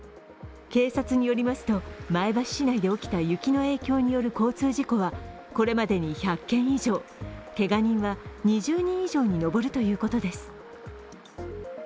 警察によりますと、前橋市内で起きた雪の影響による交通事故はこれまでに１００件以上、けが人は２０人以上に上るということです。